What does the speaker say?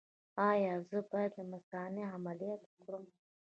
ایا زه باید د مثانې عملیات وکړم؟